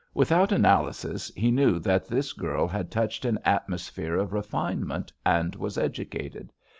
Without analysis, he knew that this girl had touched an atmosphere of refinement and was educated.